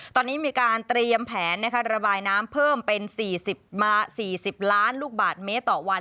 ตอนนี้มีการเตรียมแผนระบายน้ำเพิ่มเป็น๔๐ล้านลูกบาทเมตรต่อวัน